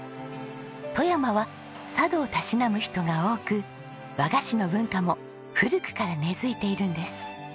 富山は茶道を嗜む人が多く和菓子の文化も古くから根付いているんです。